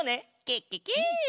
ケケケ！